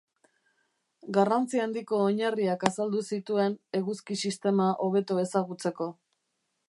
Garrantzi handiko oinarriak azaldu zituen eguzki-sistema hobeto ezagutzeko.